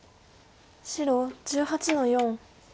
白１８の四。